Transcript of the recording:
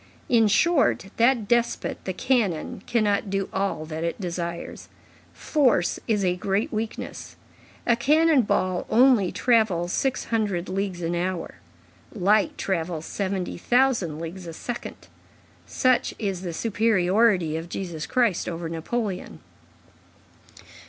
In short, that despot, the cannon, cannot do all that it desires; force is a great weakness. A cannon ball only travels six hundred leagues an hour; light travels seventy thousand leagues a second. Such is the superiority of Jesus Christ over Napoleon."